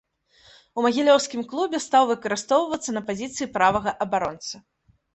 У магілёўскім клубе стаў выкарыстоўвацца на пазіцыі правага абаронцы.